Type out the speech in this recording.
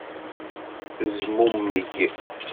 Tezmummeg.